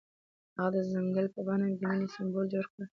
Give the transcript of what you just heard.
هغه د ځنګل په بڼه د مینې سمبول جوړ کړ.